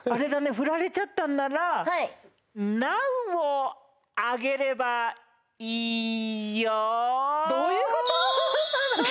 フラれちゃったんならナンをあげればいよどういうこと！？